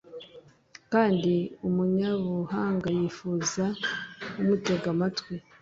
kandi umunyabuhanga yifuza umutega amatwi